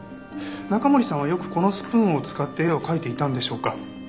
中森さんはよくこのスプーンを使って絵を描いていたんでしょうか？